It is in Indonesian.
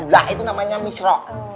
inilah masambit yang susah